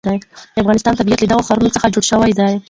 د افغانستان طبیعت له دغو ښارونو جوړ شوی دی.